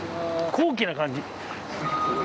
高貴な感じ。